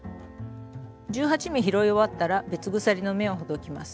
１８目拾い終わったら別鎖の目をほどきます。